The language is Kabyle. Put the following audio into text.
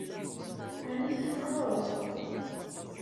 Ɛni tfeqɛeḍ?